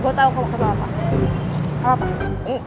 gue tau kamu kesel apa kenapa